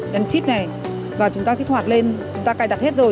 đánh chip này và chúng ta kích hoạt lên chúng ta cài đặt hết giấy tờ